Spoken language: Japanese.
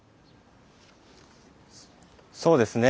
そうですね。